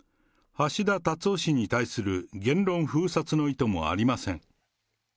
橋田達夫氏に対する言論封殺の意図もありません。